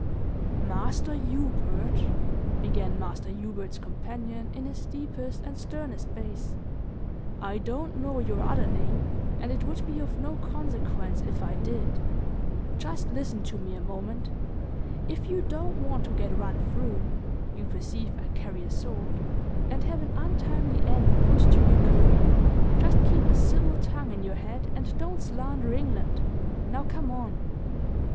"Master Hubert," began Master Hubert's companion, in his deepest and sternest bass, "I don't know your other name, and it would be of no consequence if I did just listen to me a moment. If you don't want to get run through (you perceive I carry a sword), and have an untimely end put to your career, just keep a civil tongue in your head, and don't slander England. Now come on!"